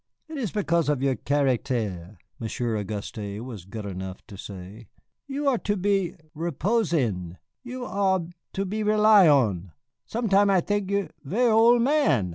"It is because of your charactair," Monsieur Auguste was good enough to say. "You are to be repose' in, you are to be rely on. Sometime I think you ver' ole man.